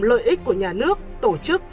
lợi ích của nhà nước tổ chức